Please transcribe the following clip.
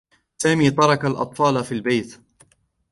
سامي ترك الأطفال في البيت.